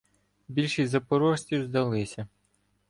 Більшість запорожців здалися.